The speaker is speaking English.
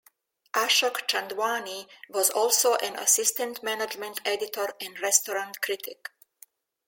Ashok Chandwani was also an assistant management editor and restaurant critic.